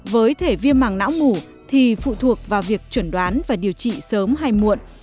với thể viêm mảng não ngủ thì phụ thuộc vào việc chuẩn đoán và điều trị sớm hay muộn